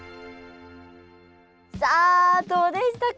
さあどうでしたか？